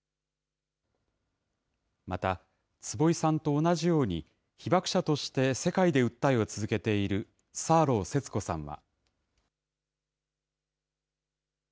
また、坪井さんと同じように、被爆者として世界で訴えを続けているサーロー節子さんは。